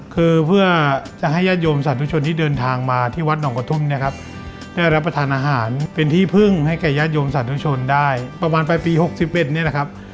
คือเพื่อจะให้ญาติโยมสาธุชนที่เดินทางมาที่วัดหนองกระทุ่มเนี่ยครับได้รับประทานอาหารเป็นที่พึ่งให้แก่ญาติโยมสาธุชนได้ประมาณไปปี๖๑เนี่ยนะครับ